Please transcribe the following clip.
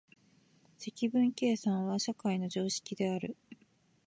積分計算は社会の常識である。